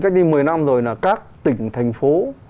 cách đây một mươi năm rồi là các tỉnh thành phố